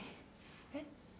えっ？